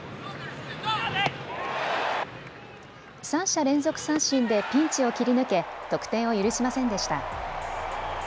３者連続三振でピンチを切り抜け得点を許しませんでした。